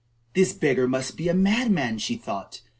This beggar must be a madman, she thought.